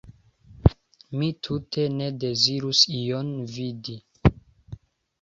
Mi tute ne dezirus ion vidi!